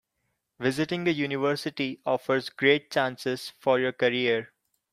Visiting a university offers great chances for your career.